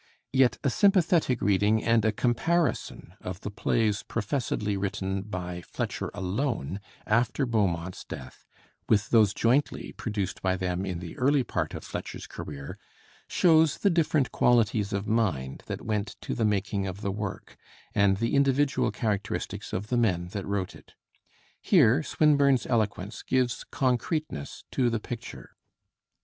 Yet a sympathetic reading and a comparison of the plays professedly written by Fletcher alone, after Beaumont's death, with those jointly produced by them in the early part of Fletcher's career, shows the different qualities of mind that went to the making of the work, and the individual characteristics of the men that wrote it. Here Swinburne's eloquence gives concreteness to the picture.